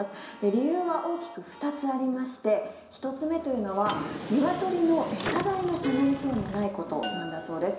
理由は大きく２つありまして１つ目というのはニワトリの餌代が下がりそうにないことなんだそうです。